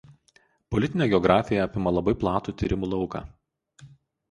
Politinė geografija apima labai platų tyrimų lauką.